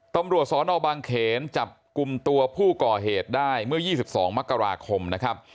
ตำรวจสนบางเขนจับกลุ่มตัวผู้ก่อเหตุได้เมื่อ๒๒มกราคมนะครับ